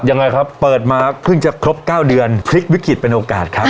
ยังไงครับเปิดมาเพิ่งจะครบ๙เดือนพลิกวิกฤตเป็นโอกาสครับ